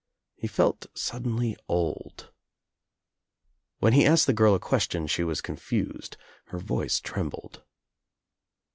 He felt suddenly old. When he asked the girl a question she was confused. Her voice trembled.